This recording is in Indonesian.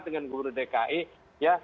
dengan guru dki ya